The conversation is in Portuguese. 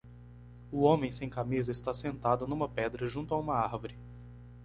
O homem sem camisa está sentado numa pedra junto a uma árvore.